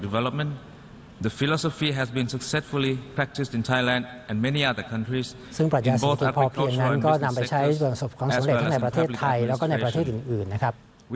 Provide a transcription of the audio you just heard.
ซึ่งปรัชญาเศรษฐกิจพอบเทียนนั้นก็นำไปใช้